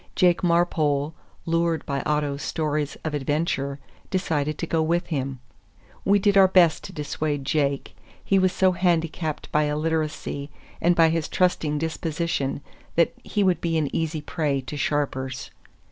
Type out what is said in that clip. Jake Marpole, lured by Otto's stories of adventure, decided to go with him. We did our best to dissuade Jake. He was so handicapped by illiteracy and by his trusting disposition that he would be an easy prey to sharpers.